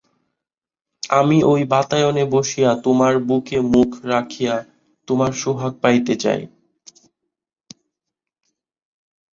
আমি ওই বাতায়নে বসিয়া তোমার বুকে মুখ রাখিয়া তোমার সোহাগ পাইতে চাই।